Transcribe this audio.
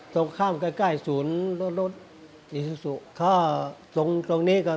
ตรงข้ามใกล้ศูนย์รถรถอิซิสุ